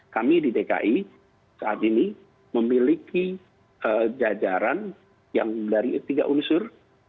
kami di dki saat ini memiliki jajaran yang dari tiga unsur